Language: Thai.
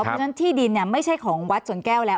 เพราะฉะนั้นที่ดินไม่ใช่ของวัดสวนแก้วแล้ว